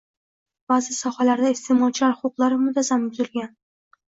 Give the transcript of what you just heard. Ba’zi sohalarda iste’molchilar huquqlari muntazam buzilganng